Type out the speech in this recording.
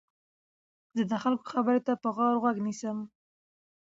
زه د خلکو خبرو ته په غور غوږ نیسم.